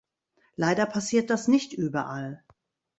Leider passiert das nicht überall.